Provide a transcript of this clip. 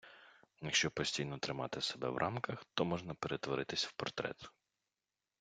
Якщо постійно тримати себе в рамках, то можна перетворитись в портрет!